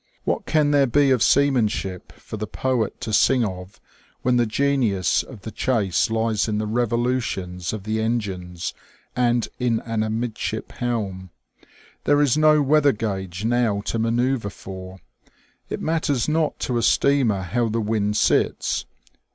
What can there be of seamanship for the poet to sing of when the genius of the chase lies in the revolutions of the engines and in an amidship helm ? There is no weather gage now to manoeuvre for. It matters not to a steamer how the wind sits.